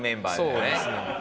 そうですね。